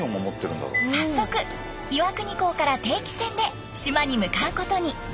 早速岩国港から定期船で島に向かうことに。